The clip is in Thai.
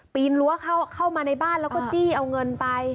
ปีนรั้วเข้ามาในบ้านแล้วก็จี้เอาเงินไป